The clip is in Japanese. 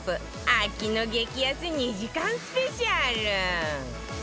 秋の激安２時間スペシャル